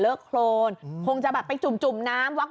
ป้าของน้องธันวาผู้ชมข่าวอ่อน